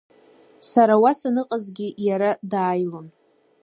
Сара уа саныҟазгьы, иара дааилон.